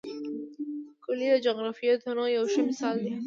کلي د جغرافیوي تنوع یو ښه مثال دی.